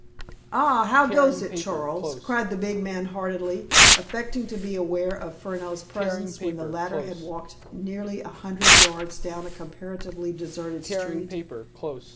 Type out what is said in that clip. "Ah! How goes it, Charles?" cried the big man heartily, affecting to be aware of Furneaux's presence when the latter had walked nearly a hundred yards down a comparatively deserted street.